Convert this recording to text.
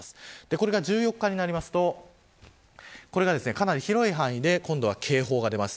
これが１４日になりますとかなり広い範囲で今度は警報が出ます。